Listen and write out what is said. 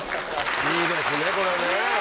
いいですねこれね。